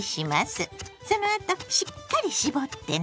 そのあとしっかり絞ってね！